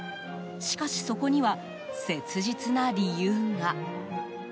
しかし、そこには切実な理由が。